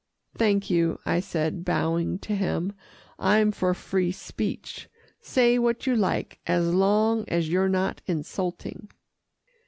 "Thank you," I said bowing to him, "I'm for free speech. Say what you like, as long as you're not insulting."